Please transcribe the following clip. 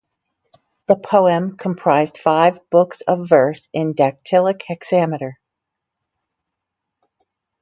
The poem comprised five books of verse in dactylic hexameter.